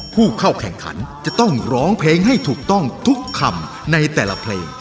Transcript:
ผู้เข้าแข่งขันจะต้องร้องเพลงให้ถูกต้องทุกคำในแต่ละเพลง